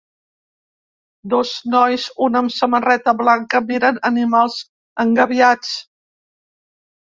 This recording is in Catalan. Dos nois, un amb samarreta blanca, miren animals engabiats.